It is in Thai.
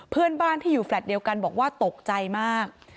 เพื่อนบ้านที่อยู่แฟลต์เดียวกันบอกว่าตกใจมาก